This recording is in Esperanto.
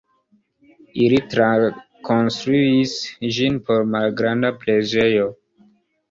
Ili trakonstruis ĝin por malgranda preĝejo.